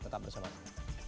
tetap bersama kami